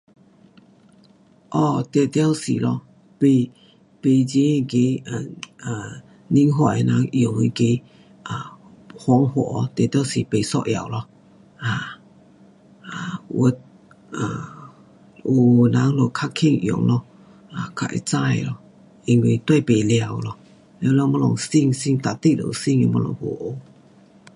哦，定得是咯，买，买这那个 um 啊，年货用那个方法定得是不一样咯，um 啊，有的 um 有的人就叫棒用咯，较会知咯，因为跟不完咯，全部东西新新每日都有新的东西好学。